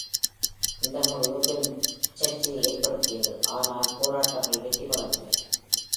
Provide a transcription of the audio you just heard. இந்த முடிவு பெரும் சர்ச்சையை ஏற்படுத்தியது, ஆனால் போராட்டங்கள் வெற்றிபெறவில்லை.